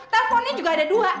telfonnya juga ada dua